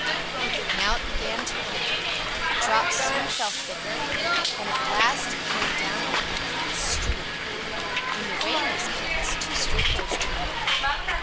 Now it began to rain; the drops soon fell thicker, and at last it came down in a complete stream. When the rain was past, two street boys came by.